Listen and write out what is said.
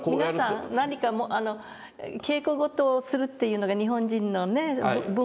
皆さん何か稽古事をするっていうのが日本人のね文化の中の。